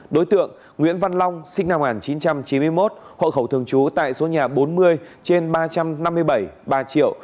đối tượng nguyễn văn long sinh năm một nghìn chín trăm chín mươi một hộ khẩu thường trú tại số nhà bốn mươi trên ba trăm năm mươi bảy ba triệu